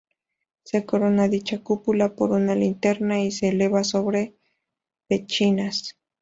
Se corona dicha cúpula por una linterna y se eleva sobre pechinas.